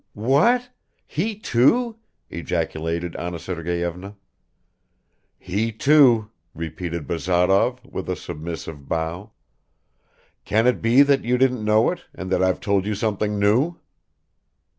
"What? He too?" ejaculated Anna Sergeyevna. "He too," repeated Bazarov, with a submissive bow. "Can it be that you didn't know it and that I've told you something new?"